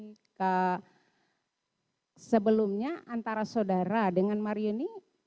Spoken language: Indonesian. nah terus sebelumnya antara saudara dengan mario ini dekat itu juga ada hubungan